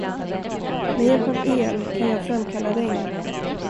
Med hjälp av el kan jag framkalla regn.